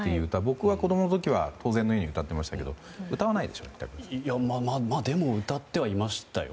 僕は子供の時は当然のように歌っていましたがでも歌ってはいましたよ。